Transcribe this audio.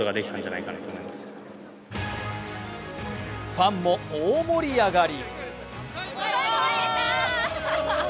ファンも大盛り上がり。